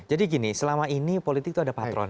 jadi gini selama ini politik itu ada patron